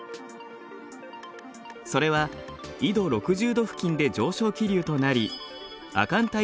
それは緯度６０度付近で上昇気流となり亜寒帯